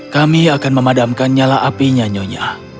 kami akan memadamkan nyala apinya nyonya